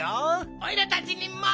おいらたちにも！